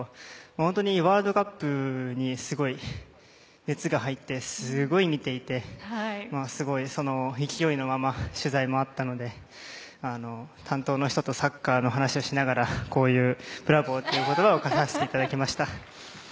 本当に、ワールドカップにすごい熱が入ってすごい見ていて、その勢いのまま取材もあったので担当の人とサッカーの話をしながらこういうブラボーという言葉を書かせていただきました。